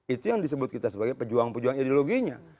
itu yang disebut kita sebagai pejuang pejuang ideologinya